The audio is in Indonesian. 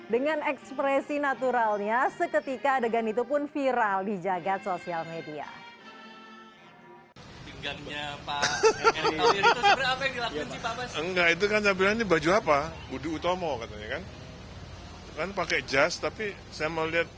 dengan ekspresi naturalnya seketika adegan itu pun viral di jagad sosial media